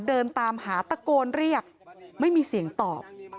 เดินตามหาตะโกนเรียกไม่มีเสียงตอบ